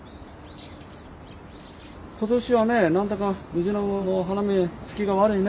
今年はね何だかムジナモの花芽つきが悪いね。